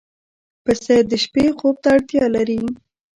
پسه د شپې خوب ته اړتیا لري.